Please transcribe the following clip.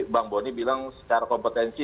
bang boni bilang secara kompetensi